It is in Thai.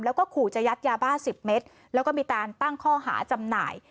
แล้วก็ขู่จะยัดยาบ้าสิบเมตรแล้วก็มีการตั้งข้อหาจำหน่าย